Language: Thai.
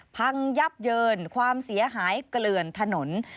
พังยับเยินความเสียหายเกลื่อนถนน